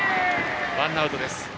ワンアウトです。